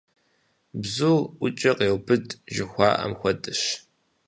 Бзур ӀукӀэ къеубыд, жыхуаӀэм хуэдэщ.